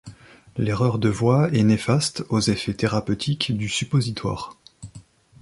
L'erreur de voie est néfaste aux effets thérapeutiques du suppositoire.